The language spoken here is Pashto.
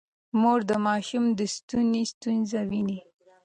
مور د ماشوم د ستوني ستونزه ويني.